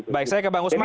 baik saya ke bang usman